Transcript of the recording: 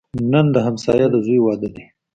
نن د همسایه د زوی واده دی